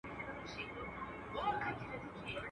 کله چي ئې يوسف عليه السلام څاه ته واچاوه.